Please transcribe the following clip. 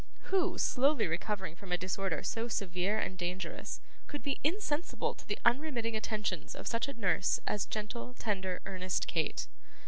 Who, slowly recovering from a disorder so severe and dangerous, could be insensible to the unremitting attentions of such a nurse as gentle, tender, earnest Kate?